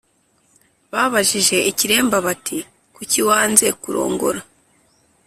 ba ba j ij e ikiremba bati kuki wanze kuro ngora’